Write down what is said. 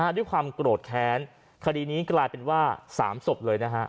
ด้วยความโกรธแค้นคดีนี้กลายเป็นว่า๓ศพเลยนะฮะ